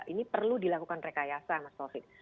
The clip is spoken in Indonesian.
ini perlu dilakukan rekayasa mas taufik